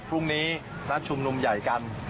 พรุ่งนี้นัดชุมนุมใหญ่กัน